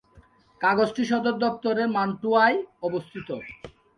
কাগজটির সদর দপ্তর মান্টুয়ায় অবস্থিত।